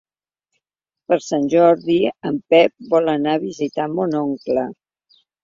Per Sant Jordi en Pep vol anar a visitar mon oncle.